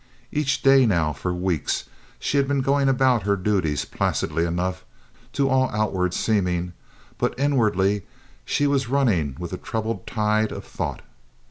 Each day now for weeks she had been going about her duties placidly enough to all outward seeming, but inwardly she was running with a troubled tide of thought.